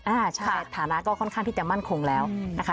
อ่าใช่ฐานะก็ค่อนข้างที่จะมั่นคงแล้วนะคะ